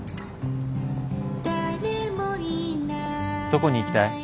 どこに行きたい？